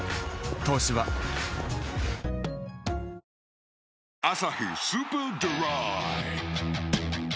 「東芝」「アサヒスーパードライ」